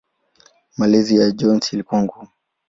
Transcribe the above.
Malezi ya Jones ilikuwa ngumu.